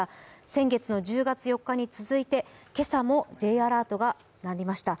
先月の１０月４日に続いて、今朝もＪアラートが鳴りました。